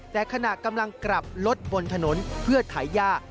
แต่ขณะกำลังกลับรถบนถนนเพื่อขายย่า